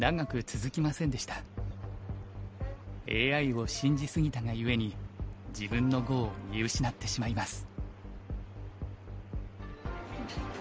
ＡＩを信じ過ぎたがゆえに自分の碁を見失ってしまいます。